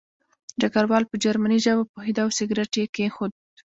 ډګروال په جرمني ژبه پوهېده او سګرټ یې کېښود